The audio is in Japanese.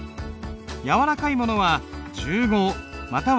柔らかいものは柔毫または柔毛。